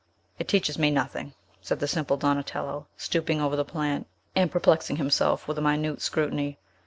"It teaches me nothing," said the simple Donatello, stooping over the plant, and perplexing himself with a minute scrutiny.